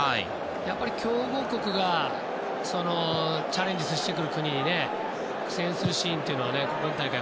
やっぱり、強豪国がチャレンジしてくる国に苦戦するシーンは今大会